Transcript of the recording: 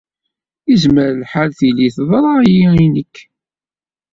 Yezmer lḥal tili teḍra-yi i nekk.